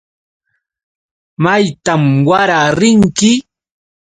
¿Maytan wara rinki?